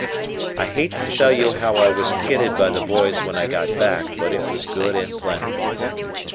I hate to tell you how I was kidded by the boys when I got back, but it was good and plenty.